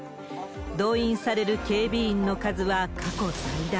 動員される警備員の数は過去最大。